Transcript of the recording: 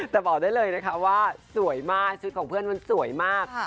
แต่บอกได้เลยนะคะว่าสวยมากชุดของเพื่อนมันสวยมาก